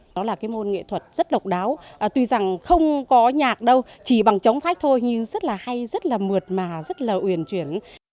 đó là cái môn nghệ thuật rất độc đáo tuy rằng không có nhạc đâu chỉ bằng chống phách thôi nhưng rất là hay rất là mượt mà rất là uyền chuyển